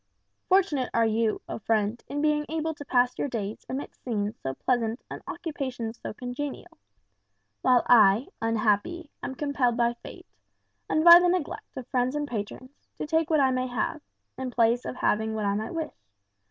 Fortunate are you, O friend, in being able to pass your days amidst scenes so pleasant and occupations so congenial; while I, unhappy, am compelled by fate, and by the neglect of friends and patrons, to take what I may have, in place of having what I might wish.